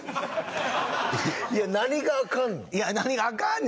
いや何があかんの？